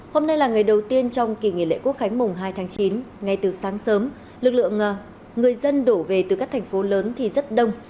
hôm nay là ngày đầu tiên trong kỳ nghỉ lễ quốc khánh mùng hai tháng chín ngay từ sáng sớm lực lượng người dân đổ về từ các thành phố lớn thì rất đông